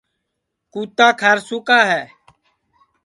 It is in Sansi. کُوتا کھارسو کا ہے